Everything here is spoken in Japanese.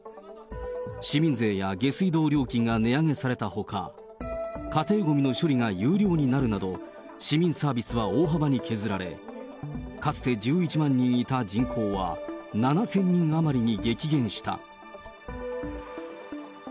市民税や下水道料金が値上げされたほか、家庭ごみの処理が有料になるなど、市民サービスは大幅に削られ、かつて１１万人いた人口は、７０００人余りに激減した。